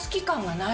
ない？